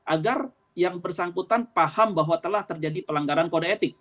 agar yang bersangkutan paham bahwa telah terjadi pelanggaran kode etik